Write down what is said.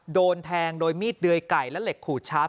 โดนแทงโดยมีดเดยไก่และเหล็กขูดชาร์ฟ